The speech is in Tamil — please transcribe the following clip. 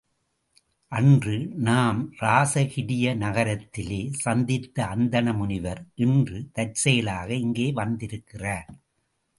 அன்று நாம் இராசகிரிய நகரத்திலே சந்தித்த அந்தண முனிவர், இன்று தற்செயலாக இங்கே வந்திருக்கிறார்.